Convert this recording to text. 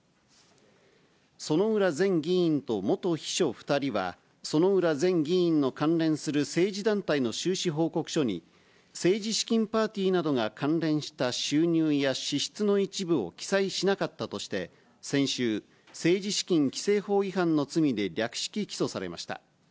薗浦前議員と元秘書２人は、薗浦前議員の関連する政治団体の収支報告書に、政治資金パーティーなどが関連した収入や支出の一部を記載しなかったとして、先週、政治資金規正法違反の罪で略式起訴されました。